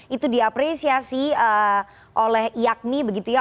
itu diapresiasi oleh iakmi begitu ya